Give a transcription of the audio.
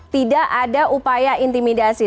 tidak ada upaya intimidasi